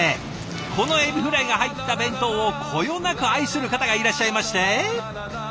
このエビフライが入った弁当をこよなく愛する方がいらっしゃいまして。